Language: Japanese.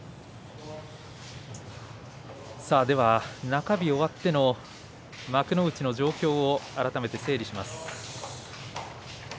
中日終わっての幕内の状況を改めて整理します。